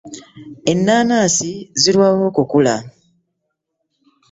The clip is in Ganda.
Ennaanasi zirwawo okukula.